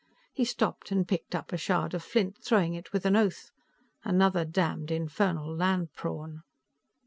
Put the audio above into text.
He stopped and picked up a shard of flint, throwing it with an oath. Another damned infernal land prawn.